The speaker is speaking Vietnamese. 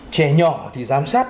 trẻ nhỏ thì giám sát